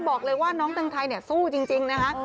บอกเลยว่าน้องตังไทยเนี่ยสู้จริงนะคะ